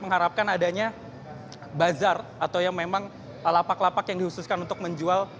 mengharapkan adanya bazar atau yang memang lapak lapak yang dihususkan untuk menjual